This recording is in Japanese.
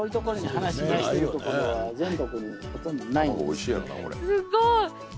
すごい。